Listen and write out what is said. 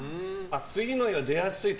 次の日は出やすいと？